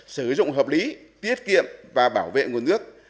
sử dụng hợp lý tiết kiệm và bảo vệ nguồn nước